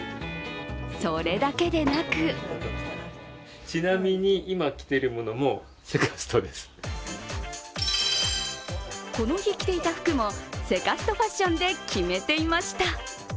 それだけでなくこの日着ていた服もセカストファッションで決めていました。